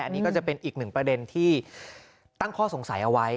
อันนี้ก็จะเป็นอีกหนึ่งประเด็นที่ตั้งข้อสงสัยเอาไว้